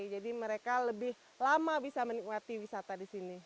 jadi mereka lebih lama bisa menikmati wisata di sini